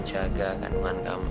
jaga kandungan kamu